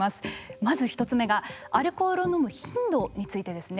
まず１つ目がアルコールを飲む頻度についてですね。